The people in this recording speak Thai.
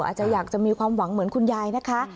อาจจะอยากจะมีความหวังเหมือนคุณยายนะคะ